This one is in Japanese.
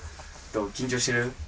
どう、緊張してる？